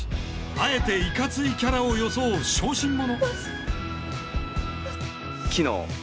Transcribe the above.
あえていかついキャラを装う小心者。